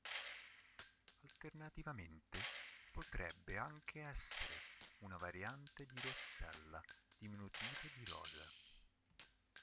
Alternativamente, potrebbe anche essere una variante di Rosella, diminutivo di Rosa.